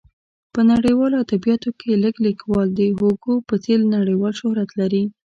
په نړیوالو ادبیاتو کې لږ لیکوال د هوګو په څېر نړیوال شهرت لري.